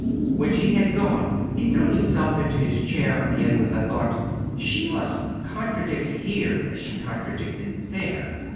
When she had gone he threw himself into his chair again with the thought "She must contradict here as she contradicted there!